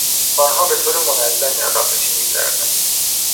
آنها به طور منظمی عقبنشینی کردند.